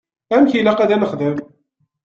Amek i ilaq ad nexdem?